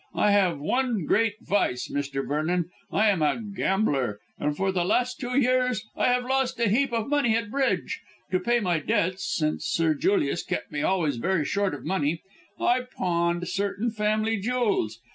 I have one great vice, Mr. Vernon, I am a gambler, and for the last two years I have lost a heap of money at bridge. To pay my debts, since Sir Julius kept me always very short of money, I pawned certain family jewels.